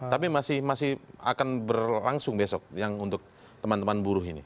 tapi masih akan berlangsung besok yang untuk teman teman buruh ini